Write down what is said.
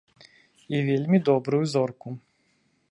І вельмі добрую зорку.